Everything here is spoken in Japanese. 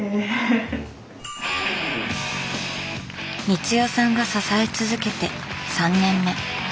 光代さんが支え続けて３年目。